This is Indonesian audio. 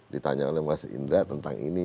ditanya oleh mas indra tentang ini